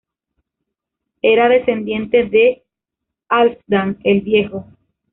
Era descendiente de Halfdan el Viejo.